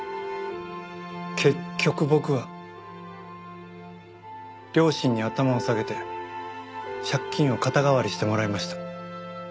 結局僕は両親に頭を下げて借金を肩代わりしてもらいました。